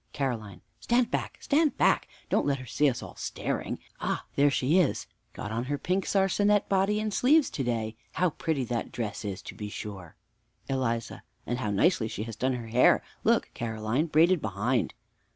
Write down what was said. Caroline. Stand back, stand back! Don't let her see us all staring. Ah, there she is, got on her pink sarcenet body and sleeves to day. How pretty that dress is, to be sure! Eliza. And how nicely she has done her hair! Look, Caroline braided behind.